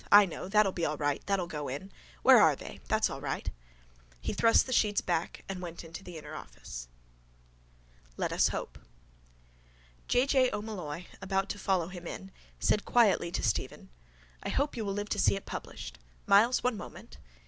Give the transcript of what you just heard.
I know. That'll be all right. That'll go in. Where are they? That's all right. He thrust the sheets back and went into the inner office. LET US HOPE J. J. O'Molloy, about to follow him in, said quietly to Stephen: —I hope you will live to see it published. Myles, one moment.